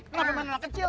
kenapa main anak kecil